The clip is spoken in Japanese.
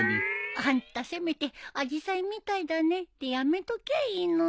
あんたせめて「アジサイみたいだね」でやめときゃいいのに。